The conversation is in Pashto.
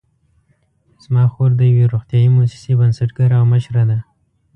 زما خور د یوې روغتیايي مؤسسې بنسټګره او مشره ده